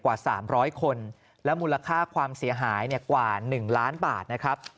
กว่า๓๐๐คนและมูลค่าความเสียหายกว่า๑ล้านบาทนะครับ